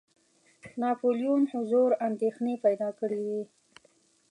ناپولیون حضور اندېښنې پیدا کړي وې.